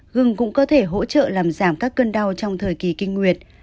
gừng cũng có thể hỗ trợ làm giảm các cơn đau trong thời kỳ kinh nguyệt